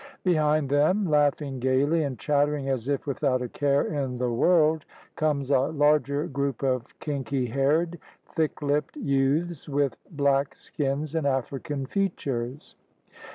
Behind them, laughing gayly and chattering as if without a care in the world, comes a larger group of kinky haired, thick lipped youths with black skins and African features.